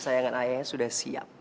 sayangan ayahnya sudah siap